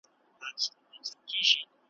مځكه چاك سوه پكښي ورك د ده پوستين سو ,